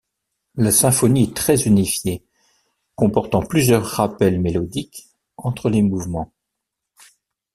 La symphonie est très unifiée, comportant plusieurs rappels mélodiques entre les mouvements.